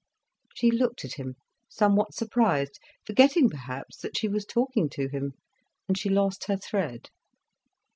She looked at him, somewhat surprised, forgetting perhaps that she was talking to him. And she lost her thread.